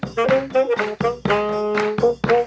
ใช่อาจจะไม่จริง